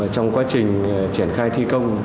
trong quá trình triển khai thi công